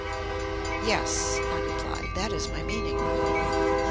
"Yes," I replied, "that is my meaning."